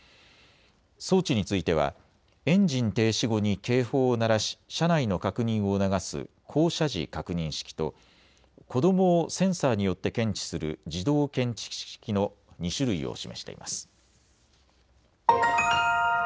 装置についてはエンジン停止後に警報を鳴らし、車内の確認を促す降車時確認式と子どもをセンサーによって検知する自動検知式の２種類を示しています。